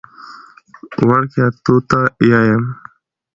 وړکیه! توته یایم.